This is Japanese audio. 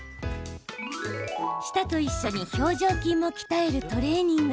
舌と一緒に表情筋も鍛えるトレーニング。